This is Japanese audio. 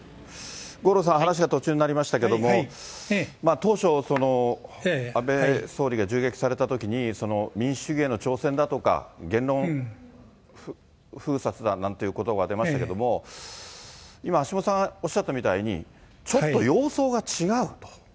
五郎さん、話が途中になりましたけれども、当初、安倍総理が銃撃されたときに、民主主義への挑戦だとか、言論封殺だなんということばが出ましたけれども、今、橋下さんがおっしゃったみたいにちょっと様相が違うと。